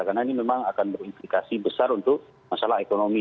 karena ini memang akan berinfikasi besar untuk masalah ekonomi